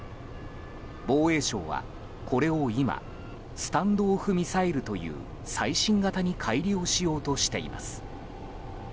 防衛省は、これを今スタンド・オフ・ミサイルという最新型に改良しようとしています。